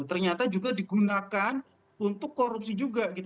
ternyata juga digunakan untuk korupsi juga